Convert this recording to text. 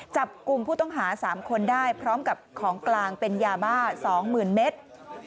จับกลุ่มผู้ต้องหา๓คนได้พร้อมกับของกลางเป็นยาบ้า๒๐๐๐เมตร